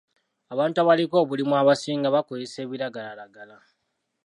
Abantu abaliko obulemu abasinga bakozesa ebiragalalagala.